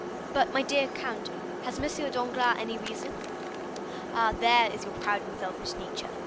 "But, my dear count, has M. Danglars any reason?" "Ah! there is your proud and selfish nature.